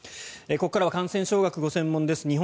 ここからは感染症学がご専門です